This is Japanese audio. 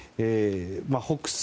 北西